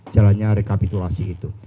jalannya rekapitulasi itu